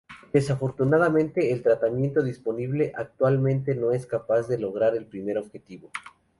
Desafortunadamente, el tratamiento disponible actualmente no es capaz de lograr el primer objetivo.